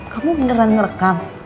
kamu beneran ngerekam